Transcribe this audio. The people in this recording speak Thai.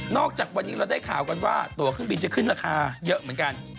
จากวันนี้เราได้ข่าวกันว่าตัวเครื่องบินจะขึ้นราคาเยอะเหมือนกัน